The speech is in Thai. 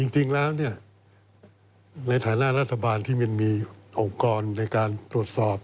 จริงแล้วในฐานะรัฐบาลที่มันมีองค์กรในการตรวจสอบ